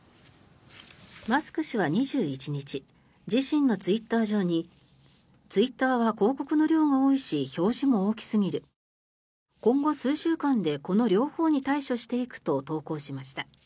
マスク氏は２１日自身のツイッター上にツイッターは広告の量が多いし表示も大きすぎる今後数週間でこの両方に対処していくと投稿しました。